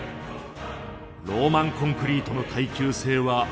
ローマンコンクリートの耐久性は驚異的である。